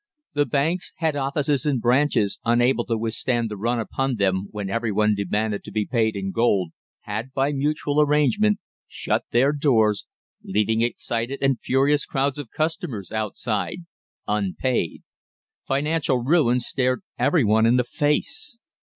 The banks, head offices, and branches, unable to withstand the run upon them when every one demanded to be paid in gold, had, by mutual arrangement, shut their doors, leaving excited and furious crowds of customers outside unpaid. Financial ruin stared every one in the face.